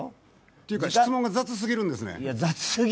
というか質問が雑すぎるんですね。